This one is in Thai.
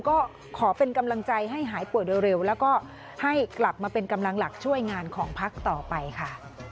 ก็ขอเป็นกำลังใจให้หายป่วยเร็วแล้วก็ให้กลับมาเป็นกำลังหลักช่วยงานของพักต่อไปค่ะ